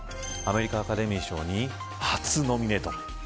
アメリカ、アカデミー賞に初ノミネート。